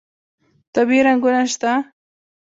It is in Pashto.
طبیعي رنګونه شته.